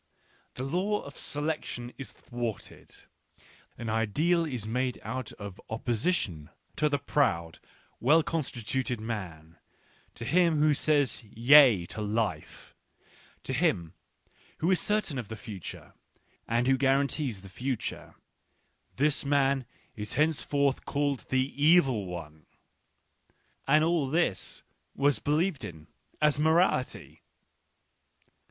The law * ofselectionjs thwarted, an ideal is made out of opposition to the proud, well constituted man, to him who says yea to life, to him who is certain of the future, and who guarantees the future — this ; man is henceforth called the evil one. And all this I was believed in as morality